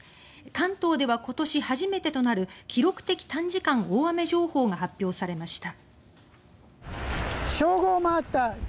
関東では今年初めてとなる記録的短時間大雨情報が発表されました。